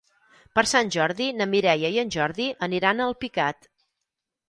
Per Sant Jordi na Mireia i en Jordi aniran a Alpicat.